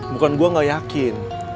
bukan gue gak yakin